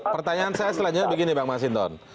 pertanyaan saya selanjutnya begini bang masinton